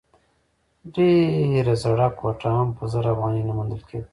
ډېره زړه کوټه هم په زر افغانۍ نه موندل کېده.